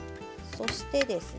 そしてですね。